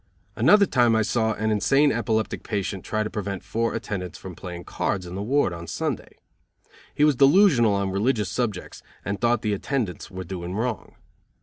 Another time I saw an insane epileptic patient try to prevent four attendants from playing cards in the ward on Sunday. He was delusional on religious subjects and thought the attendants were doing wrong.